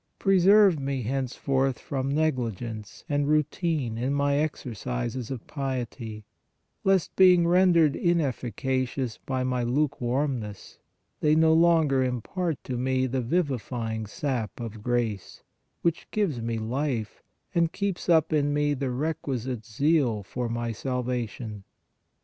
Preserve me henceforth from negli gence and routine in my exercises of piety, lest, be ing rendered inefficacious by my lukewarmness, they no longer impart to me the vivifying sap of grace, which gives me life, and keeps up in me the requisite zeal for my salvation.